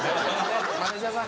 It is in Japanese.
マネジャーさん？